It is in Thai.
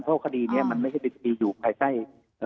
เพราะคดีนี้มันไม่ใช่ฤทธิอยู่ใกล้ใกล้